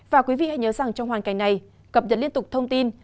và quý vị hãy nhớ rằng trong hoàn cảnh này cập nhật liên tục thông tin